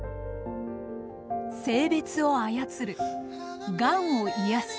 性別を操るがんを癒やす。